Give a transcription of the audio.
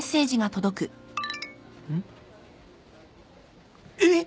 んっ？えっ！？